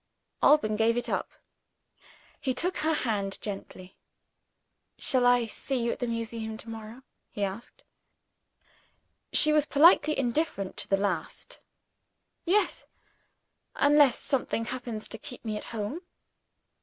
Alban gave it up. He took her hand gently. "Shall I see you at the Museum, to morrow?" he asked. She was politely indifferent to the last. "Yes unless something happens to keep me at home."